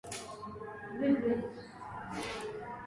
katika miongo miwili iloyopita ushawishi ulijidhihirisha